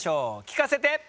聞かせて！